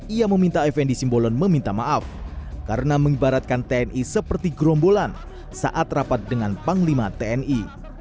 ia meminta fnd simbolon meminta maaf karena mengibaratkan tni seperti gerombolan saat rapat dengan panglima tni